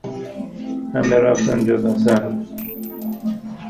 همه رفتند جز حسن.